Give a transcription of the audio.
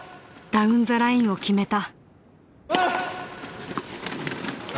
ダウン・ザ・ラインを決めた。